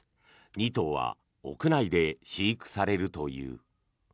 ２頭は屋内で飼育されるという。